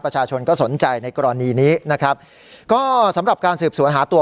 ประชาชนก็สนใจในกรณีนี้นะครับก็สำหรับการสืบสวนหาตัว